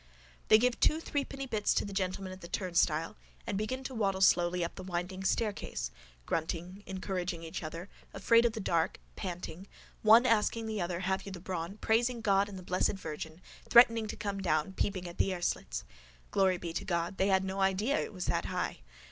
They give two threepenny bits to the gentleman at the turnstile and begin to waddle slowly up the winding staircase, grunting, encouraging each other, afraid of the dark, panting, one asking the other have you the brawn, praising God and the Blessed Virgin, threatening to come down, peeping at the airslits. Glory be to God. They had no idea it was that high.